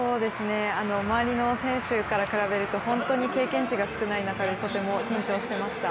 周りの選手から比べると本当に経験値が少ない中でとても緊張していました。